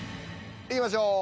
いきましょう。